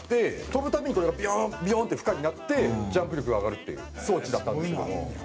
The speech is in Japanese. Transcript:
跳ぶたびにこれがビヨーンビヨーンって負荷になってジャンプ力が上がるっていう装置だったんですけども。